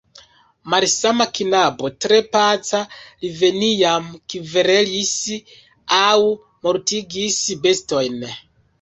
Malsama knabo, tre paca, li neniam kverelis aŭ mortigis bestojn.